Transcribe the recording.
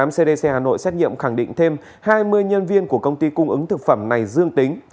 cdc hà nội xét nghiệm khẳng định thêm hai mươi nhân viên của công ty cung ứng thực phẩm này dương tính